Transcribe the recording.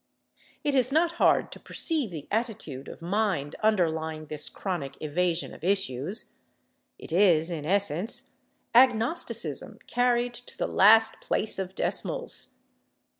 It is not hard to perceive the attitude of mind underlying this chronic evasion of issues. It is, in essence, agnosticism carried to the last place of decimals.